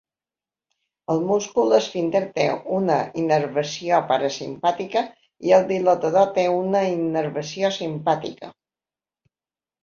El múscul esfínter té una innervació parasimpàtica i el dilatador té una innervació simpàtica.